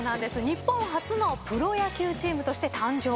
日本初のプロ野球チームとして誕生。